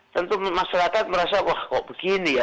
tentu masyarakat merasa wah kok begini ya